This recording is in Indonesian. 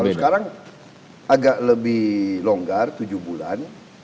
kalau sekarang agak lebih longgar tujuh bulan